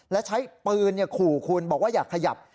และใช้ปืนขู่คุณบอกว่าอย่าขยับ